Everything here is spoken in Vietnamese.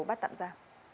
bắt tạm ra